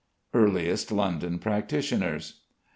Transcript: EARLIEST LONDON PRACTITIONERS.